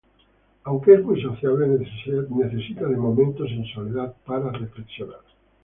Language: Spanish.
Aunque es muy sociable, necesita de momentos en soledad para reflexionar.